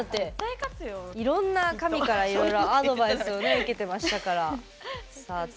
いろんな神からいろいろアドバイスを受けてましたから。